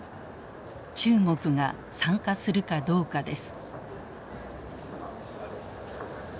中国が参加するかどうかです。